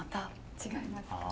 違いますか？